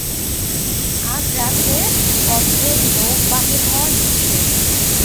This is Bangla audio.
আজ রাত্রে পথে লোক বাহির হওয়া নিষেধ।